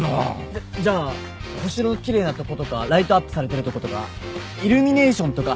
じゃっじゃあ星の奇麗なとことかライトアップされてるとことかイルミネーションとか。